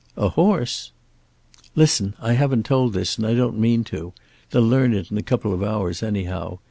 "A horse!" "Listen. I haven't told this, and I don't mean to. They'll learn it in a couple of hours, anyhow.